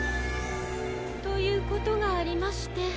ということがありまして。